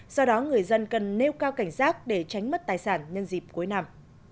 do đó người dân cần nêu cao cảnh giác để tránh mất tài sản nhân dịp cuối năm